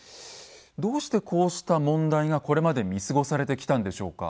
どうしてこうした問題がこれまで見過ごされてきたんでしょうか？